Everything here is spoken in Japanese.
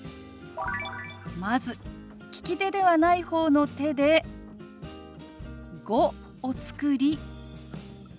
まず利き手ではない方の手で「５」を作り